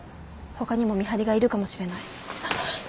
ほかにも見張りがいるかもしれない。